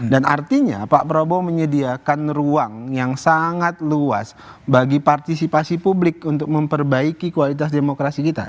dan artinya pak prabowo menyediakan ruang yang sangat luas bagi partisipasi publik untuk memperbaiki kualitas demokrasi kita